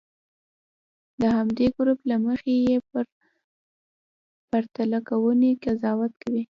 د همدې ګروپ له مخې یې په پرتله کوونې قضاوت کوي.